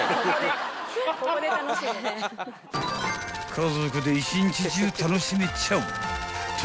［家族で１日中楽しめちゃう時之栖］